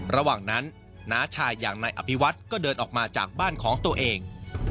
ระหว่างนั้นน้าชายอย่างนายอภิวัฒน์ก็เดินออกมาจากบ้านของตัวเอง